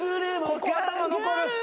ここ頭残る。